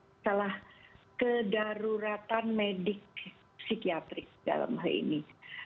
masalah kedaruratan medik psikiatrik dalam hal ini